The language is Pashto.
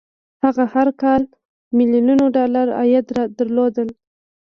هغه هر کال ميليونونه ډالر عايد درلود.